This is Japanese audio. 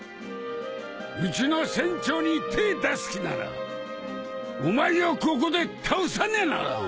うちの船長に手出す気ならお前をここで倒さにゃならん！